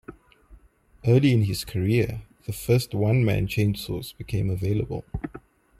Early in his career, the first one-man chainsaws became available.